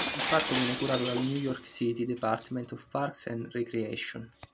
Il parco viene curato dal New York City Department of Parks and Recreation.